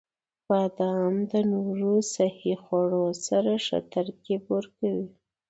• بادام د نورو صحي خوړو سره ښه ترکیب ورکوي.